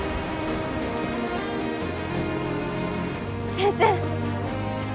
先生